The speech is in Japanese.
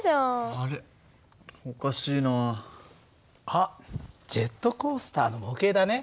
あっジェットコースターの模型だね。